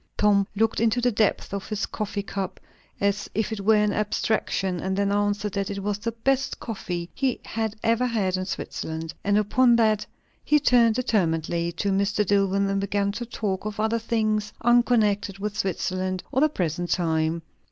Tom looked into the depths of his coffee cup, as if it were an abstraction, and then answered, that it was the best coffee he had ever had in Switzerland; and upon that he turned determinately to Mr. Dillwyn and began to talk of other things, unconnected with Switzerland or the present time.